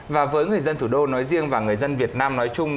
và với người dân thủ đô nói riêng và người dân việt nam nói chung